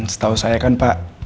setahu saya kan pak